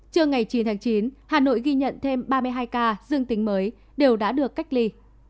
trưa ngày chín tháng chín hà nội ghi nhận thêm ba mươi hai ca dương tính mới đều đã được cách ly